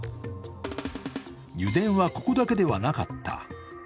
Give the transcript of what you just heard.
油田はここだけではなかった。